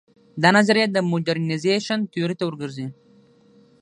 دا نظریه د موډرنیزېشن تیورۍ ته ور ګرځي.